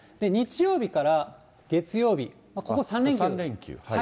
日曜日から月曜日、ここ、３連休。